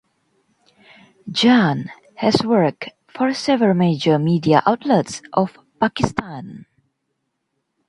Jan has worked for several major media outlets of Pakistan.